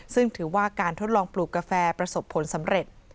ซึ่งถือว่าการทดลองปลูกกาแฟประสบผลสำเร็จ